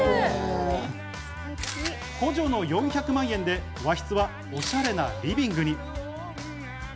補助の４００万円で和室はおしゃれなリビングに。